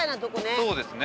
そうですね。